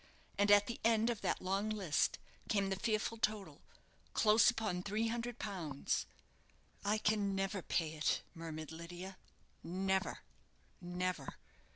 And at the end of that long list came the fearful total close upon three hundred pounds! "I can never pay it!" murmured Lydia; "never! never!"